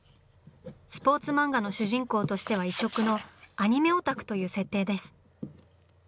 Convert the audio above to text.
スポーツ漫画の主人公としては異色の「アニメオタク」という設定です。